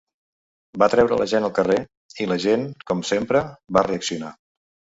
Va treure la gent al carrer, i la gent, com sempre, va reaccionar.